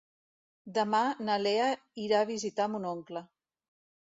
Demà na Lea irà a visitar mon oncle.